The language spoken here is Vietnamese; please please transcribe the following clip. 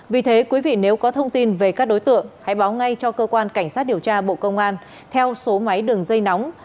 vì thế quý vị nếu có thông tin về các đối tượng hãy báo ngay cho cơ quan cảnh sát điều tra bộ công an theo số máy đường dây nóng sáu mươi chín hai trăm ba mươi bốn năm nghìn tám trăm sáu mươi